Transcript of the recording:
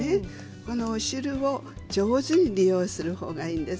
このお汁を上手に利用するほうがいいんです。